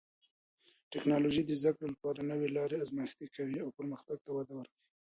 ټکنالوژي د زده کړې لپاره نوې لارې ازمېښتي کوي او پرمختګ ته وده ورکوي.